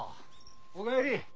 お帰り！